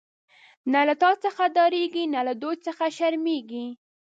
نه له تا څخه ډاریږی، نه له دوی څخه شرمیږی